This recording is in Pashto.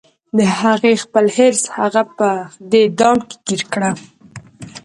د هغې خپل حرص هغه په دې دام کې ګیر کړه